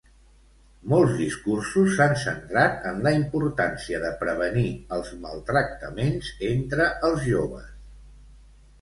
Molts discursos s'han centrat en la importància de prevenir els maltractaments entre els joves.